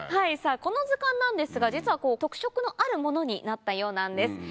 さぁこの図鑑なんですが実は特色のあるものになったようなんです。